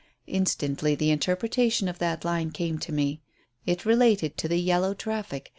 Instantly the interpretation of that line came to me. It related to the yellow traffic.